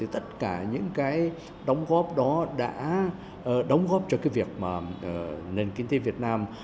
tất cả những đóng góp đó đã đóng góp cho việc nền kinh tế việt nam